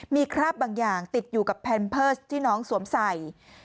มีคราบบางอย่างติดอยู่กับแพนเพิร์สที่น้องสวมใส่